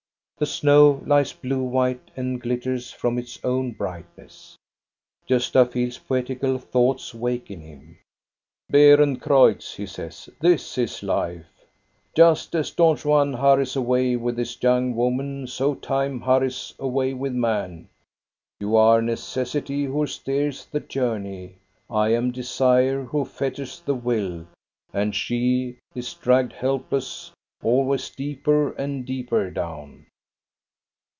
The snow lies blue white and glitters from its own brightness. Gosta feels poetical thoughts wake in him. " Beerencreutz," he says, "this is life. Just as Don Juan hurries away with this young woman, so time hurries away with man. You are necessity, who steers the journey. I am desire, who fetters the will, and she is dragged helpless, always deeper and deeper down."